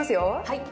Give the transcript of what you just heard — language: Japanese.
はい。